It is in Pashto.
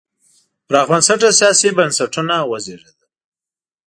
پراخ بنسټه سیاسي بنسټونه وزېږېدل.